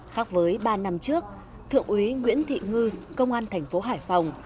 khác với ba năm trước thượng úy nguyễn thị ngư công an tp hải phòng